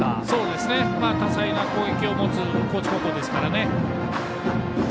そうですね、多彩な攻撃を持つ高知高校ですからね。